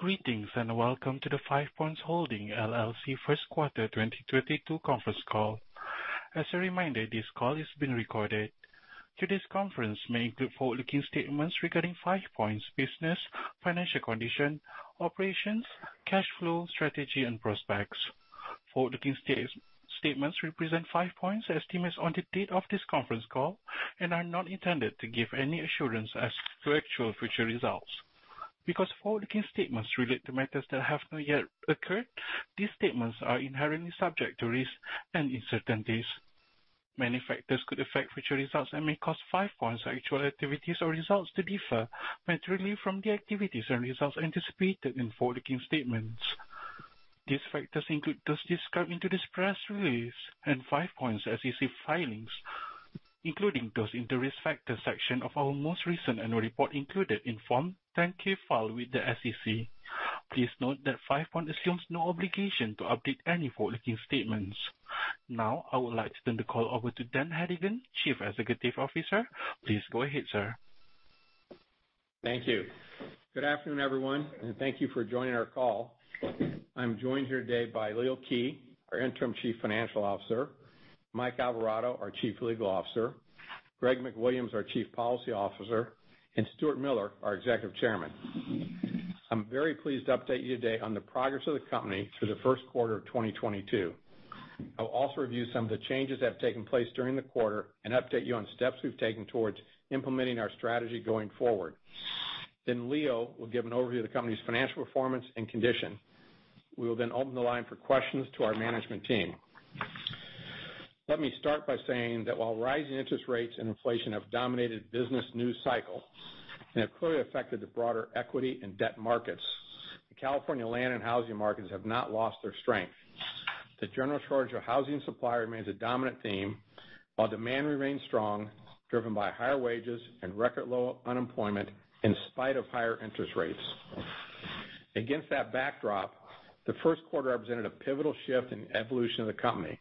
Greetings, and welcome to the Five Point Holdings, LLC First Quarter 2022 Conference Call. As a reminder, this call is being recorded. Today's conference may include forward-looking statements regarding Five Point's business, financial condition, operations, cash flow, strategy and prospects. Forward-looking statements represent Five Point's estimates on the date of this conference call and are not intended to give any assurance as to actual future results. Because forward-looking statements relate to matters that have not yet occurred, these statements are inherently subject to risk and uncertainties. Many factors could affect future results and may cause Five Point's actual activities or results to differ materially from the activities and results anticipated in forward-looking statements. These factors include those described in the press release and Five Point's SEC filings, including those in the Risk Factors section of our most recent annual report included in Form 10-K filed with the SEC. Please note that Five Point assumes no obligation to update any forward-looking statements. Now I would like to turn the call over to Dan Hedigan, Chief Executive Officer. Please go ahead, sir. Thank you. Good afternoon, everyone, and thank you for joining our call. I'm joined here today by Leo Kij, our interim Chief Financial Officer, Mike Alvarado, our Chief Legal Officer, Greg McWilliams, our Chief Policy Officer, and Stuart Miller, our Executive Chairman. I'm very pleased to update you today on the progress of the company through the first quarter of 2022. I'll also review some of the changes that have taken place during the quarter and update you on steps we've taken towards implementing our strategy going forward. Leo will give an overview of the company's financial performance and condition. We will then open the line for questions to our management team. Let me start by saying that while rising interest rates and inflation have dominated business news cycle and have clearly affected the broader equity and debt markets, the California land and housing markets have not lost their strength. The general shortage of housing supply remains a dominant theme, while demand remains strong, driven by higher wages and record low unemployment in spite of higher interest rates. Against that backdrop, the first quarter represented a pivotal shift in the evolution of the company.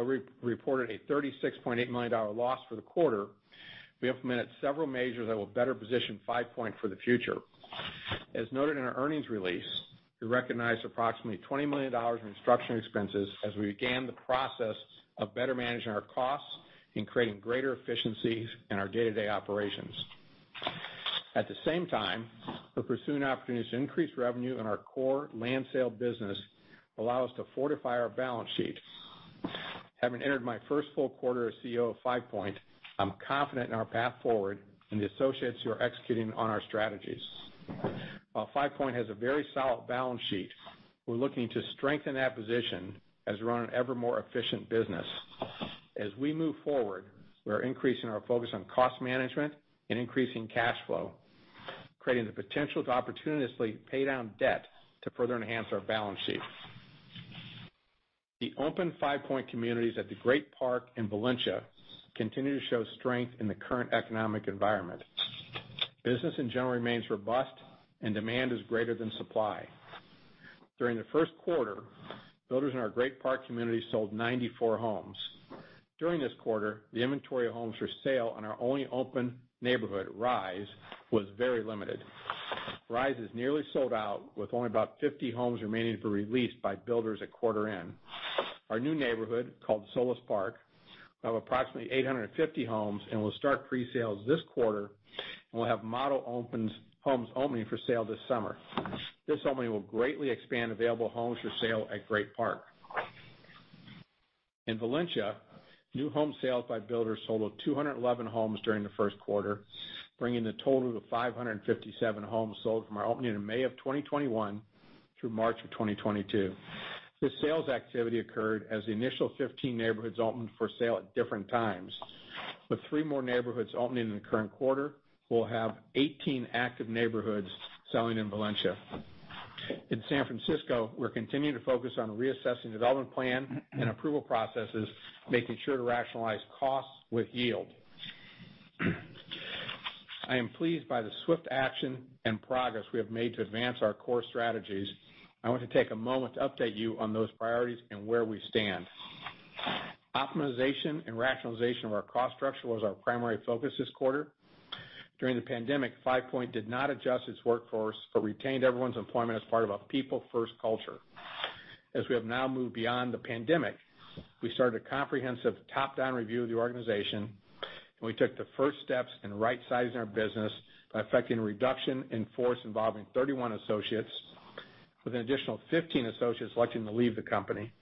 We reported a $36.8 million loss for the quarter. We implemented several measures that will better position Five Point for the future. As noted in our earnings release, we recognized approximately $20 million in restructuring expenses as we began the process of better managing our costs and creating greater efficiencies in our day-to-day operations. At the same time, we're pursuing opportunities to increase revenue in our core land sale business to allow us to fortify our balance sheet. Having entered my first full quarter as CEO of Five Point, I'm confident in our path forward and the associates who are executing on our strategies. While Five Point has a very solid balance sheet, we're looking to strengthen that position as we run an ever more efficient business. As we move forward, we are increasing our focus on cost management and increasing cash flow, creating the potential to opportunistically pay down debt to further enhance our balance sheet. The open Five Point communities at the Great Park in Valencia continue to show strength in the current economic environment. Business in general remains robust and demand is greater than supply. During the first quarter, builders in our Great Park community sold 94 homes. During this quarter, the inventory of homes for sale on our only open neighborhood, Rise, was very limited. Rise is nearly sold out with only about 50 homes remaining for release by builders at quarter end. Our new neighborhood, called Solis Park, of approximately 850 homes and will start pre-sales this quarter and will have homes opening for sale this summer. This opening will greatly expand available homes for sale at Great Park. In Valencia, new home sales by builders sold 211 homes during the first quarter, bringing the total to 557 homes sold from our opening in May 2021 through March 2022. This sales activity occurred as the initial 15 neighborhoods opened for sale at different times. With three more neighborhoods opening in the current quarter, we'll have 18 active neighborhoods selling in Valencia. In San Francisco, we're continuing to focus on reassessing development plan and approval processes, making sure to rationalize costs with yield. I am pleased by the swift action and progress we have made to advance our core strategies. I want to take a moment to update you on those priorities and where we stand. Optimization and rationalization of our cost structure was our primary focus this quarter. During the pandemic, Five Point did not adjust its workforce, but retained everyone's employment as part of a people-first culture. As we have now moved beyond the pandemic, we started a comprehensive top-down review of the organization, and we took the first steps in rightsizing our business by affecting reduction in force involving 31 associates with an additional 15 associates electing to leave the company.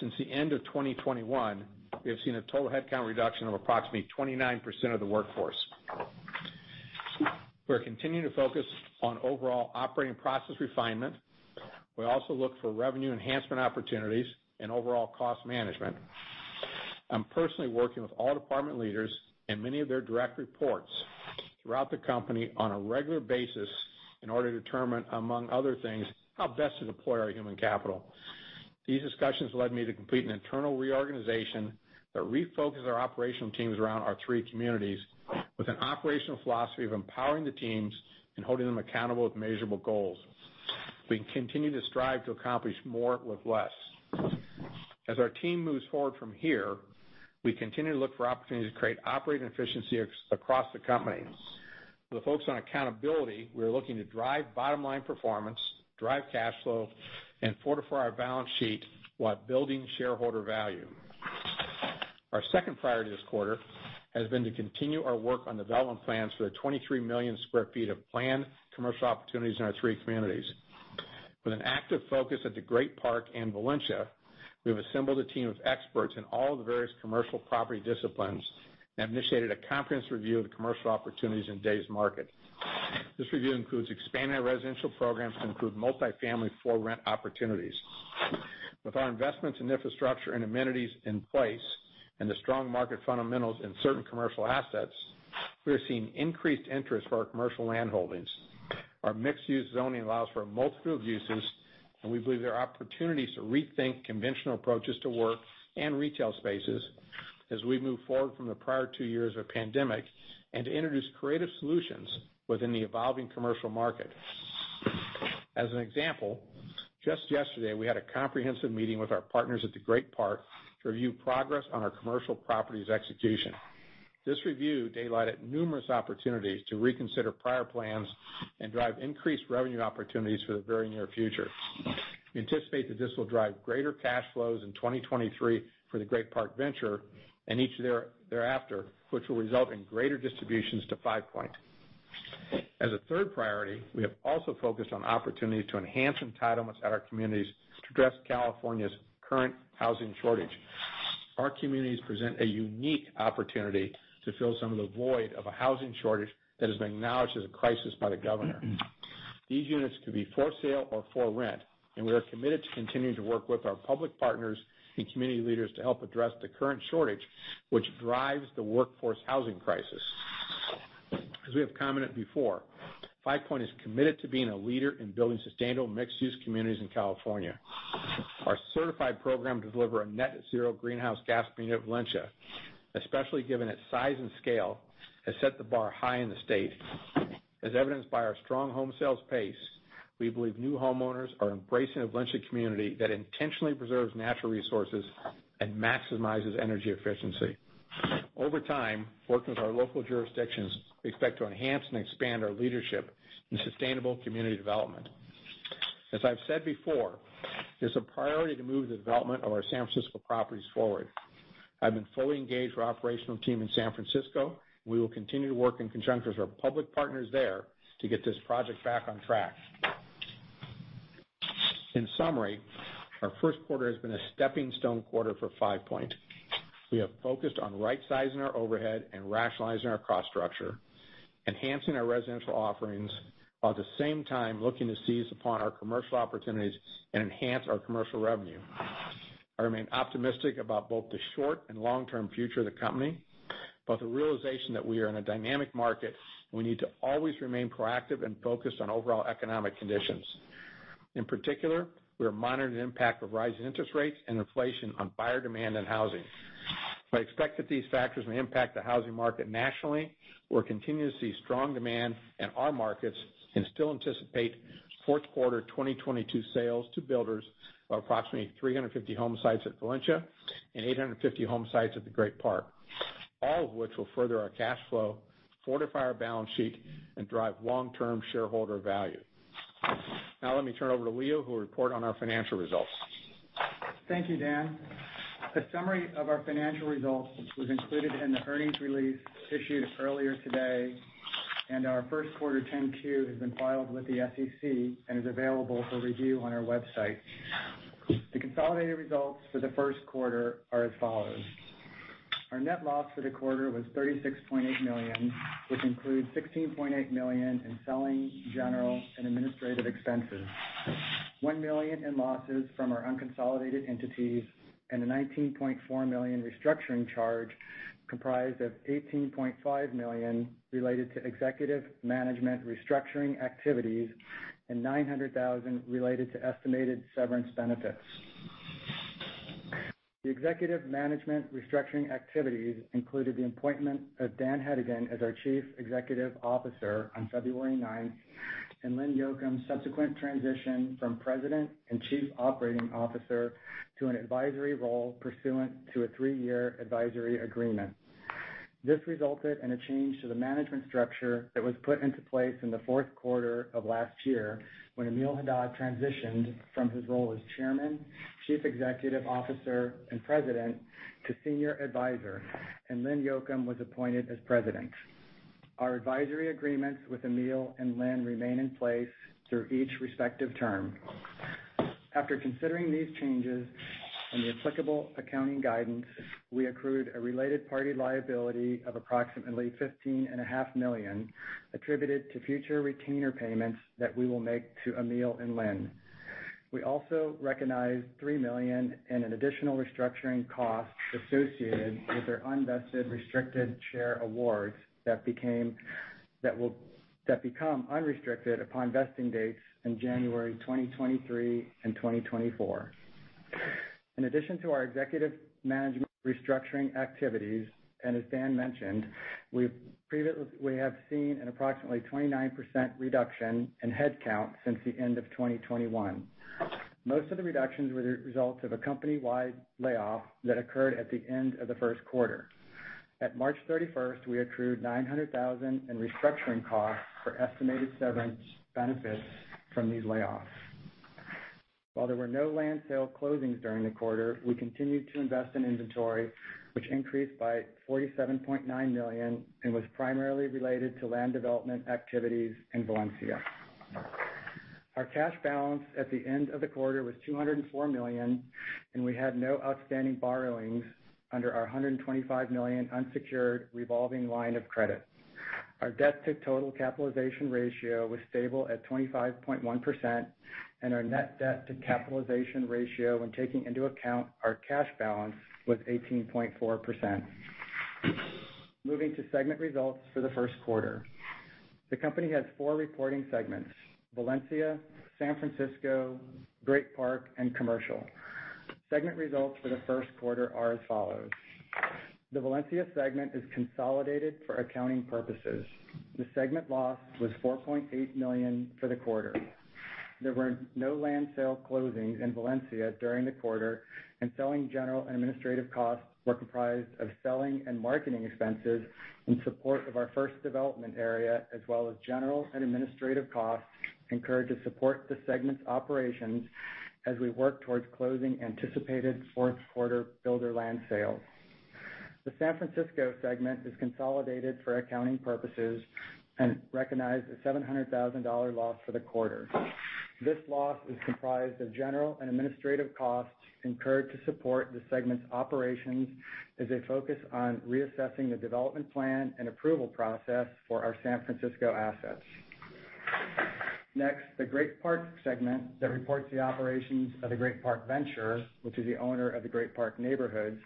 Since the end of 2021, we have seen a total headcount reduction of approximately 29% of the workforce. We're continuing to focus on overall operating process refinement. We also look for revenue enhancement opportunities and overall cost management. I'm personally working with all department leaders and many of their direct reports throughout the company on a regular basis in order to determine, among other things, how best to deploy our human capital. These discussions led me to complete an internal reorganization that refocused our operational teams around our three communities with an operational philosophy of empowering the teams and holding them accountable with measurable goals. We continue to strive to accomplish more with less. As our team moves forward from here, we continue to look for opportunities to create operating efficiency across the company. With a focus on accountability, we are looking to drive bottom-line performance, drive cash flow, and fortify our balance sheet while building shareholder value. Our second priority this quarter has been to continue our work on development plans for the 23 million sq ft of planned commercial opportunities in our three communities. With an active focus at Great Park and Valencia, we have assembled a team of experts in all the various commercial property disciplines and have initiated a comprehensive review of the commercial opportunities in today's market. This review includes expanding our residential programs to include multi-family for rent opportunities. With our investments in infrastructure and amenities in place and the strong market fundamentals in certain commercial assets, we are seeing increased interest for our commercial land holdings. Our mixed use zoning allows for a multitude of uses, and we believe there are opportunities to rethink conventional approaches to work and retail spaces as we move forward from the prior two years of pandemic and to introduce creative solutions within the evolving commercial market. As an example, just yesterday, we had a comprehensive meeting with our partners at the Great Park to review progress on our commercial properties execution. This review daylighted numerous opportunities to reconsider prior plans and drive increased revenue opportunities for the very near future. We anticipate that this will drive greater cash flows in 2023 for the Great Park Venture and each thereafter, which will result in greater distributions to Five Point. As a third priority, we have also focused on opportunities to enhance entitlements at our communities to address California's current housing shortage. Our communities present a unique opportunity to fill some of the void of a housing shortage that has been acknowledged as a crisis by the governor. These units could be for sale or for rent, and we are committed to continuing to work with our public partners and community leaders to help address the current shortage, which drives the workforce housing crisis. As we have commented before, Five Point is committed to being a leader in building sustainable mixed-use communities in California. Our certified program to deliver a net zero greenhouse gas community at Valencia, especially given its size and scale, has set the bar high in the state. As evidenced by our strong home sales pace, we believe new homeowners are embracing a Valencia community that intentionally preserves natural resources and maximizes energy efficiency. Over time, working with our local jurisdictions, we expect to enhance and expand our leadership in sustainable community development. As I've said before, it is a priority to move the development of our San Francisco properties forward. I've been fully engaged with our operational team in San Francisco. We will continue to work in conjunction with our public partners there to get this project back on track. In summary, our first quarter has been a stepping stone quarter for Five Point. We have focused on rightsizing our overhead and rationalizing our cost structure, enhancing our residential offerings, while at the same time looking to seize upon our commercial opportunities and enhance our commercial revenue. I remain optimistic about both the short- and long-term future of the company, but the realization that we are in a dynamic market, and we need to always remain proactive and focused on overall economic conditions. In particular, we are monitoring the impact of rising interest rates and inflation on buyer demand and housing. I expect that these factors may impact the housing market nationally. We're continuing to see strong demand in our markets and still anticipate fourth quarter 2022 sales to builders of approximately 350 home sites at Valencia and 850 home sites at the Great Park, all of which will further our cash flow, fortify our balance sheet, and drive long-term shareholder value. Now let me turn over to Leo, who will report on our financial results. Thank you, Dan. A summary of our financial results was included in the earnings release issued earlier today, and our first quarter 10-Q has been filed with the SEC and is available for review on our website. The consolidated results for the first quarter are as follows. Our net loss for the quarter was $36.8 million, which includes $16.8 million in selling, general and administrative expenses, $1 million in losses from our unconsolidated entities, and a $19.4 million restructuring charge comprised of $18.5 million related to executive management restructuring activities and $900,000 related to estimated severance benefits. The executive management restructuring activities included the appointment of Dan Hedigan as our Chief Executive Officer on February ninth, and Lynn Jochim's subsequent transition from President and Chief Operating Officer to an advisory role pursuant to a three-year advisory agreement. This resulted in a change to the management structure that was put into place in the fourth quarter of last year when Emile Haddad transitioned from his role as chairman, chief executive officer, and president to senior advisor, and Lynn Jochim was appointed as president. Our advisory agreements with Emile and Lynn remain in place through each respective term. After considering these changes and the applicable accounting guidance, we accrued a related party liability of approximately $15.5 million attributed to future retainer payments that we will make to Emile and Lynn. We also recognized $3 million in an additional restructuring cost associated with their unvested restricted share awards that become unrestricted upon vesting dates in January 2023 and 2024. In addition to our executive management restructuring activities, and as Dan mentioned, we have seen an approximately 29% reduction in headcount since the end of 2021. Most of the reductions were the result of a company-wide layoff that occurred at the end of the first quarter. At March 31, we accrued $900,000 in restructuring costs for estimated severance benefits from these layoffs. While there were no land sale closings during the quarter, we continued to invest in inventory, which increased by $47.9 million and was primarily related to land development activities in Valencia. Our cash balance at the end of the quarter was $204 million, and we had no outstanding borrowings under our $125 million unsecured revolving line of credit. Our debt to total capitalization ratio was stable at 25.1%, and our net debt to capitalization ratio, when taking into account our cash balance, was 18.4%. Moving to segment results for the first quarter. The company has four reporting segments, Valencia, San Francisco, Great Park, and Commercial. Segment results for the first quarter are as follows. The Valencia segment is consolidated for accounting purposes. The segment loss was $4.8 million for the quarter. There were no land sale closings in Valencia during the quarter, and selling, general and administrative costs were comprised of selling and marketing expenses in support of our first development area, as well as general and administrative costs incurred to support the segment's operations as we work towards closing anticipated fourth quarter builder land sales. The San Francisco segment is consolidated for accounting purposes and recognized a $700,000 loss for the quarter. This loss is comprised of general and administrative costs incurred to support the segment's operations as they focus on reassessing the development plan and approval process for our San Francisco assets. Next, the Great Park segment that reports the operations of the Great Park Venture, which is the owner of the Great Park Neighborhoods,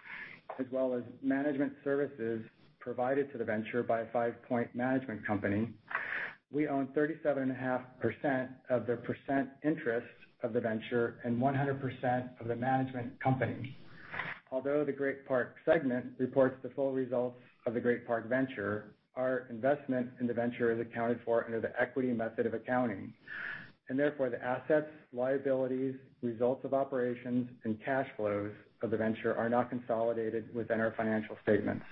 as well as management services provided to the venture by Five Point Management Company. We own 37.5% interest of the venture and 100% of the management company. Although the Great Park segment reports the full results of the Great Park Venture, our investment in the venture is accounted for under the equity method of accounting, and therefore the assets, liabilities, results of operations, and cash flows of the venture are not consolidated within our financial statements.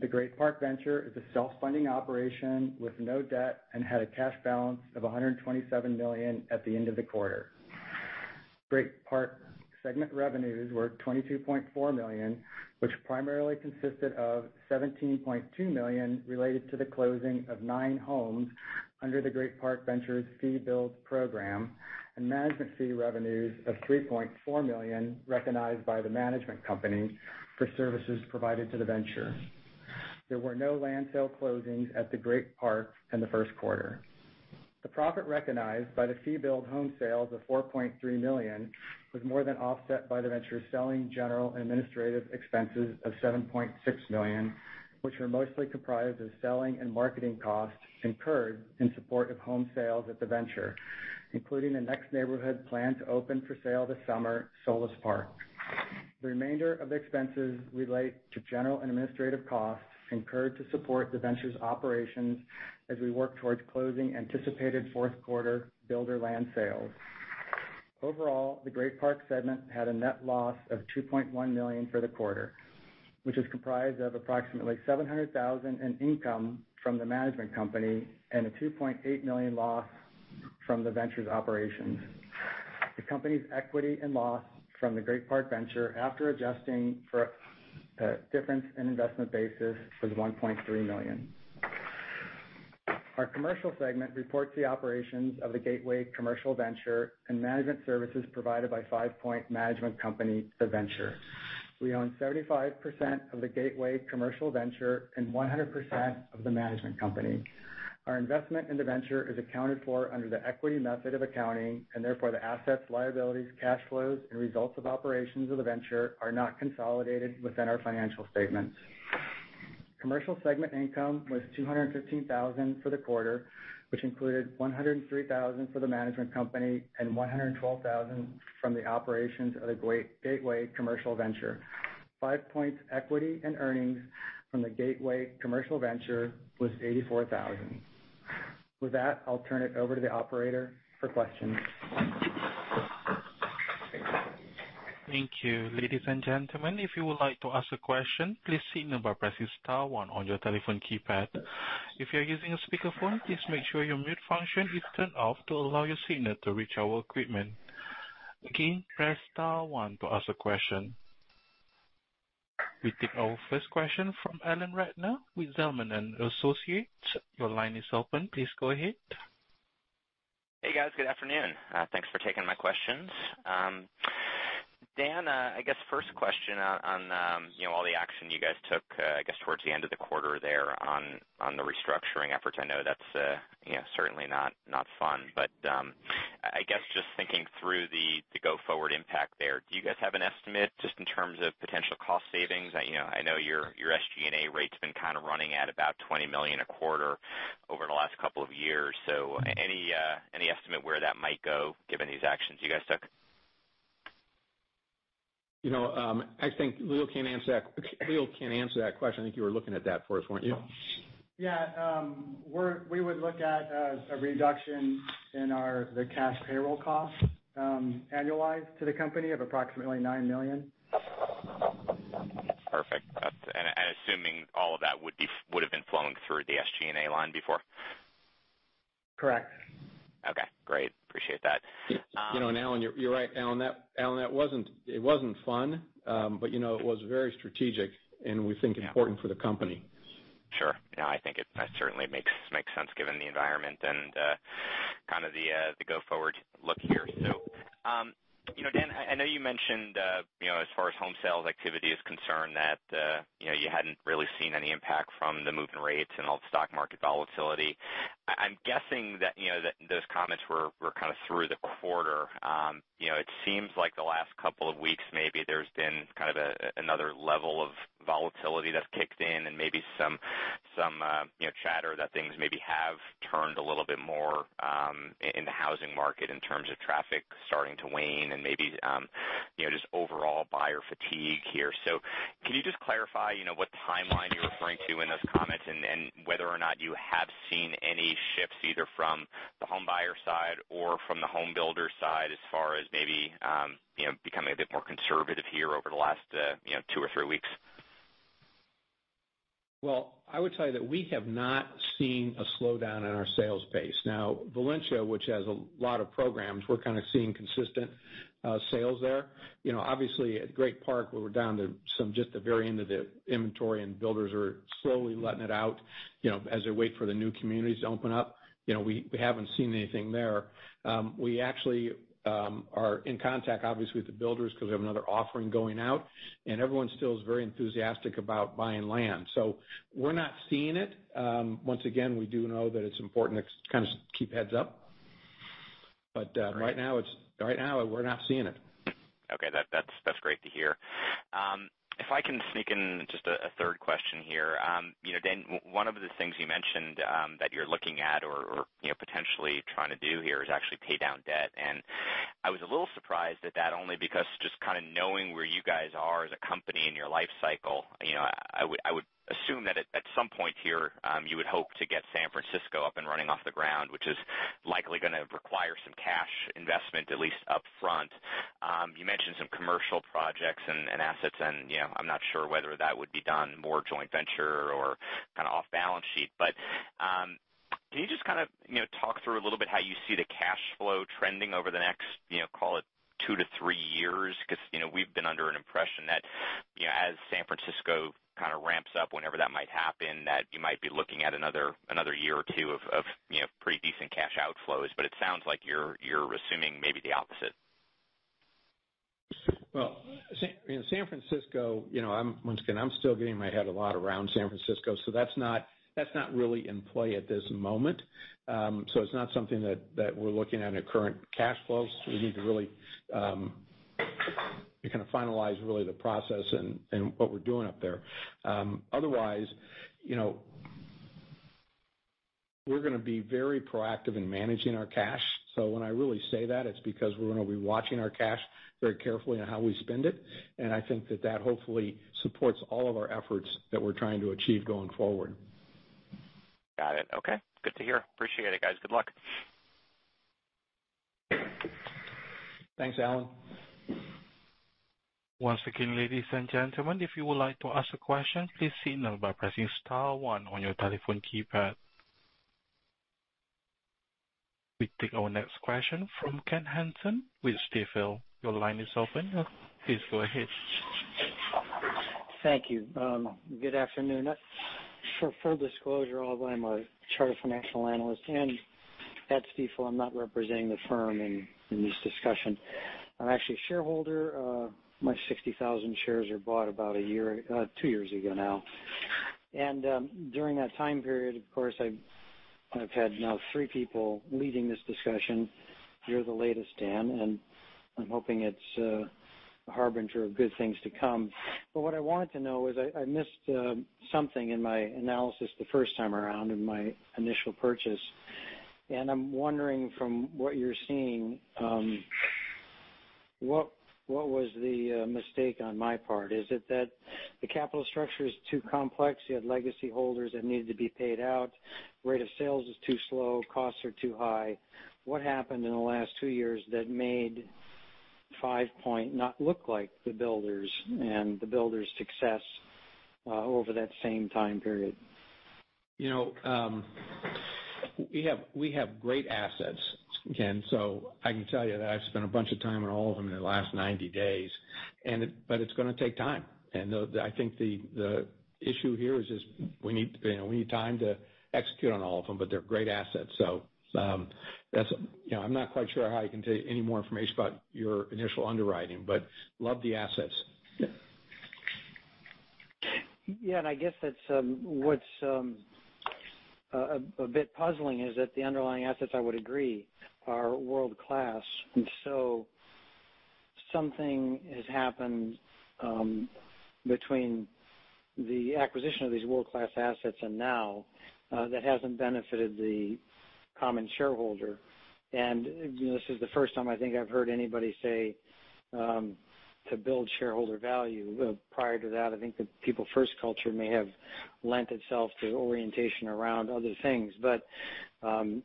The Great Park Venture is a self-funding operation with no debt and had a cash balance of $127 million at the end of the quarter. Great Park segment revenues were $22.4 million, which primarily consisted of $17.2 million related to the closing of nine homes under the Great Park Venture's fee build program and management fee revenues of $3.4 million recognized by the management company for services provided to the venture. There were no land sale closings at the Great Park in the first quarter. The profit recognized by the fee build home sale of $4.3 million was more than offset by the venture's selling, general, and administrative expenses of $7.6 million, which are mostly comprised of selling and marketing costs incurred in support of home sales at the venture, including the next neighborhood planned to open for sale this summer, Solis Park. The remainder of the expenses relate to general and administrative costs incurred to support the venture's operations as we work towards closing anticipated fourth quarter builder land sales. Overall, the Great Park segment had a net loss of $2.1 million for the quarter, which is comprised of approximately $700 thousand in income from the management company and a $2.8 million loss from the venture's operations. The company's equity and loss from the Great Park Venture, after adjusting for difference in investment basis, was $1.3 million. Our commercial segment reports the operations of the Gateway Commercial Venture and management services provided by Five Point Management Company, the venture. We own 35% of the Gateway Commercial Venture and 100% of the management company. Our investment in the venture is accounted for under the equity method of accounting and therefore the assets, liabilities, cash flows and results of operations of the venture are not consolidated within our financial statements. Commercial segment income was $215,000 for the quarter, which included $103,000 for the management company and $112,000 from the operations of the Gateway Commercial Venture. Five Point's equity and earnings from the Gateway Commercial Venture was $84,000. With that, I'll turn it over to the operator for questions. Thank you. Ladies and gentlemen, if you would like to ask a question, please signal by pressing star one on your telephone keypad. If you're using a speakerphone, please make sure your mute function is turned off to allow your signal to reach our equipment. Again, press star one to ask a question. We take our first question from Alan Ratner with Zelman & Associates. Your line is open. Please go ahead. Hey, guys. Good afternoon. Thanks for taking my questions. Dan, I guess first question on, you know, all the action you guys took, I guess towards the end of the quarter there on the restructuring efforts. I know that's, you know, certainly not fun, but I guess just thinking through the go-forward impact there. Do you guys have an estimate just in terms of potential cost savings? You know, I know your SG&A rate's been kind of running at about $20 million a quarter over the last couple of years. So any estimate where that might go given these actions you guys took? You know, I think Leo can answer that question. I think you were looking at that for us, weren't you? We would look at a reduction in our cash payroll costs, annualized to the company of approximately $9 million. Perfect. That's assuming all of that would've been flowing through the SG&A line before. Correct. Okay, great. Appreciate that. You know, Alan, you're right, Alan. It wasn't fun, but you know, it was very strategic, and we think important for the company. Sure. No, I think it certainly makes sense given the environment and kind of the go forward look here. You know, Dan, I know you mentioned you know, as far as home sales activity is concerned, that you know you hadn't really seen any impact from the move in rates and all the stock market volatility. I'm guessing that you know that those comments were kind of through the quarter. You know, it seems like the last couple of weeks, maybe there's been kind of another level of volatility that's kicked in and maybe some you know chatter that things maybe have turned a little bit more in the housing market in terms of traffic starting to wane and maybe you know just overall buyer fatigue here. Can you just clarify, you know, what timeline you're referring to in those comments, and whether or not you have seen any shifts either from the home buyer side or from the home builder side as far as maybe, you know, becoming a bit more conservative here over the last, you know, two or three weeks? Well, I would tell you that we have not seen a slowdown in our sales pace. Now, Valencia, which has a lot of programs, we're kind of seeing consistent sales there. You know, obviously at Great Park, where we're down to just the very end of the inventory, and builders are slowly letting it out, you know, as they wait for the new communities to open up. You know, we haven't seen anything there. We actually are in contact, obviously, with the builders because we have another offering going out, and everyone still is very enthusiastic about buying land. So we're not seeing it. Once again, we do know that it's important to kind of keep heads up. Right. Right now we're not seeing it. Okay, that's great to hear. If I can sneak in just a third question here. You know, Dan, one of the things you mentioned that you're looking at or, you know, potentially trying to do here is actually pay down debt. I was a little surprised at that only because just kind of knowing where you guys are as a company in your life cycle, you know, I would assume that at some point here you would hope to get San Francisco up and running off the ground, which is likely gonna require some cash investment, at least up front. You mentioned some commercial projects and assets and, you know, I'm not sure whether that would be done more joint venture or kind of off balance sheet. Can you just kind of, you know, talk through a little bit how you see the cash flow trending over the next, you know, call it two to three years? Because, you know, we've been under an impression that, you know, as San Francisco kind of ramps up whenever that might happen, that you might be looking at another year or two of you know, pretty decent cash outflows. It sounds like you're assuming maybe the opposite. Well, San Francisco, you know, I'm once again still getting my head around San Francisco, so that's not really in play at this moment. It's not something that we're looking at in current cash flows. We need to really kind of finalize really the process and what we're doing up there. Otherwise, you know, we're gonna be very proactive in managing our cash. When I really say that, it's because we're gonna be watching our cash very carefully on how we spend it, and I think that hopefully supports all of our efforts that we're trying to achieve going forward. Got it. Okay. Good to hear. Appreciate it, guys. Good luck. Thanks, Alan. Once again, ladies and gentlemen, if you would like to ask a question, please signal by pressing star one on your telephone keypad. We take our next question from Ken Hansen with Stifel. Your line is open. Please go ahead. Thank you. Good afternoon. For full disclosure, although I'm a Chartered Financial Analyst and at Stifel, I'm not representing the firm in this discussion. I'm actually a shareholder. My 60,000 shares were bought about two years ago now. During that time period, of course, I've had now three people leading this discussion. You're the latest, Dan, and I'm hoping it's a harbinger of good things to come. What I wanted to know is I missed something in my analysis the first time around in my initial purchase. I'm wondering from what you're seeing, what was the mistake on my part? Is it that the capital structure is too complex, you had legacy holders that needed to be paid out, rate of sales is too slow, costs are too high? What happened in the last two years that made Five Point not look like the builders and the builders' success, over that same time period? You know, we have great assets, Ken, so I can tell you that I've spent a bunch of time on all of them in the last 90 days, but it's gonna take time. I think the issue here is just we need, you know, we need time to execute on all of them, but they're great assets. You know, I'm not quite sure how I can tell you any more information about your initial underwriting, but love the assets. Yeah, I guess that's what's a bit puzzling is that the underlying assets, I would agree, are world-class. Something has happened between the acquisition of these world-class assets and now that hasn't benefited the common shareholder. You know, this is the first time I think I've heard anybody say to build shareholder value. Prior to that, I think the people first culture may have lent itself to orientation around other things. I'm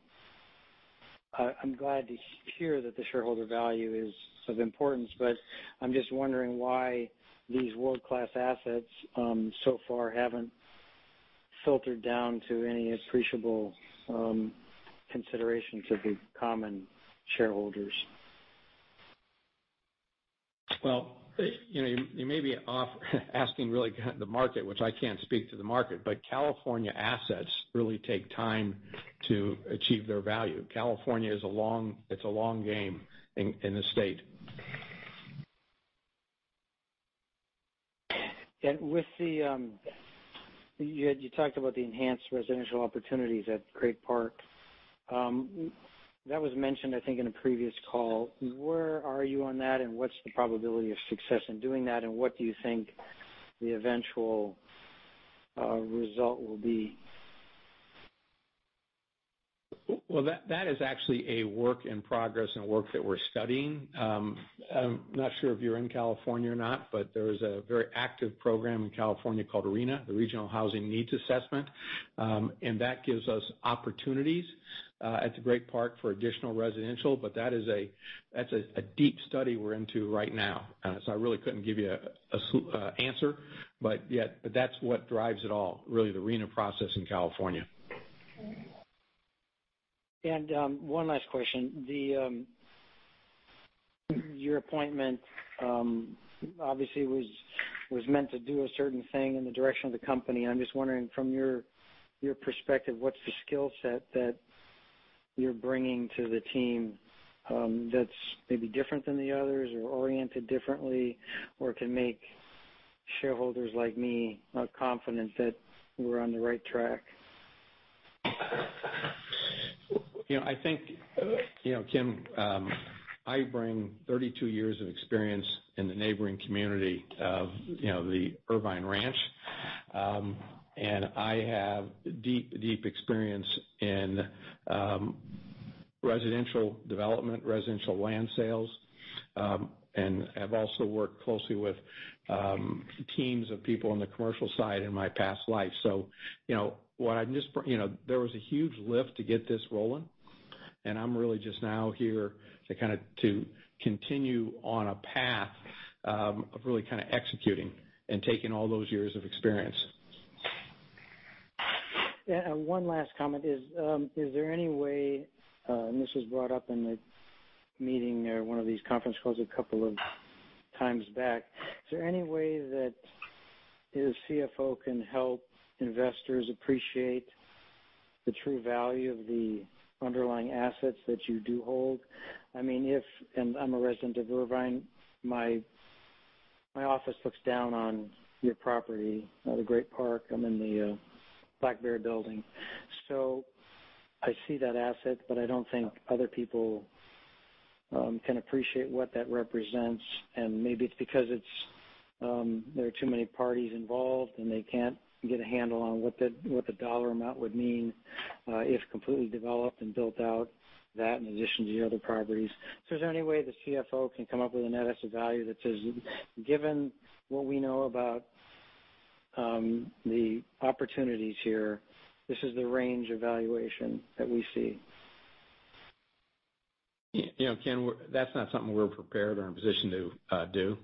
glad to hear that the shareholder value is of importance, but I'm just wondering why these world-class assets so far haven't filtered down to any appreciable considerations of the common shareholders. Well, you know, you may be off base asking really about the market, which I can't speak to the market, but California assets really take time to achieve their value. California is a long game in the state. With the you talked about the enhanced residential opportunities at Great Park. That was mentioned, I think, in a previous call. Where are you on that, and what's the probability of success in doing that? What do you think the eventual result will be? Well, that is actually a work in progress and a work that we're studying. I'm not sure if you're in California or not, but there is a very active program in California called RHNA, the Regional Housing Needs Assessment. That gives us opportunities at the Great Park for additional residential, but that is a deep study we're into right now. I really couldn't give you a solid answer. Yeah, but that's what drives it all, really, the RHNA process in California. One last question. Your appointment obviously was meant to do a certain thing in the direction of the company. I'm just wondering from your perspective, what's the skill set that you're bringing to the team, that's maybe different than the others or oriented differently, or can make shareholders like me confident that we're on the right track? You know, I think, you know, Ken Hansen, I bring 32 years of experience in the neighboring community of, you know, the Irvine Ranch. I have deep experience in residential development, residential land sales, and I've also worked closely with teams of people on the commercial side in my past life. You know, what I'm just, you know, there was a huge lift to get this rolling, and I'm really just now here to kinda to continue on a path of really kinda executing and taking all those years of experience. Yeah. One last comment is there any way, and this was brought up in the meeting or one of these conference calls a couple of times back. Is there any way that the CFO can help investors appreciate the true value of the underlying assets that you do hold? I mean, I'm a resident of Irvine. My office looks down on your property, the Great Park. I'm in the Black Bear building. So I see that asset, but I don't think other people can appreciate what that represents. Maybe it's because there are too many parties involved, and they can't get a handle on what the dollar amount would mean if completely developed and built out, that in addition to the other properties. Is there any way the CFO can come up with a net asset value that says, given what we know about, the opportunities here, this is the range of valuation that we see? You know, Ken, that's not something we're prepared or in a position to do.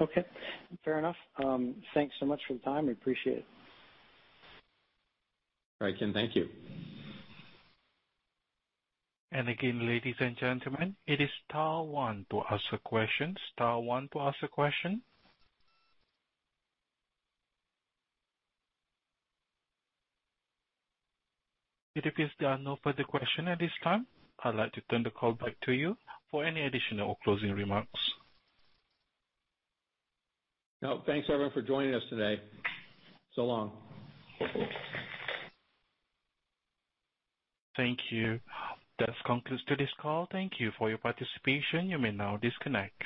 Okay, fair enough. Thanks so much for the time. We appreciate it. All right, Ken. Thank you. Again, ladies and gentlemen, it is star one to ask a question. It appears there are no further question at this time. I'd like to turn the call back to you for any additional closing remarks. No. Thanks, everyone, for joining us today. So long. Thank you. That concludes today's call. Thank you for your participation. You may now disconnect.